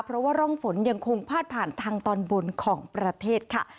เพราะว่าร่องฝนยังคงพาดผ่านทางตอนบนของประเทศค่ะ